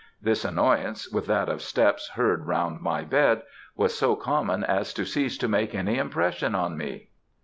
This annoyance, with that of steps heard round my bed, was so common as to cease to make any impression on me.